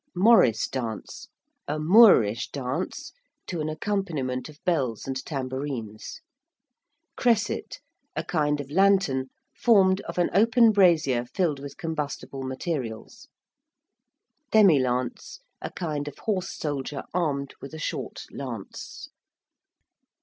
~Morris dance~: a Moorish dance to an accompaniment of bells and tambourines. ~cresset~: a kind of lantern formed of an open brazier filled with combustible materials. ~demilance~: a kind of horse soldier armed with a short lance.